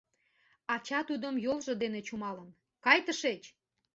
Ача тудым йолжо дене чумалын: «Кай тышеч!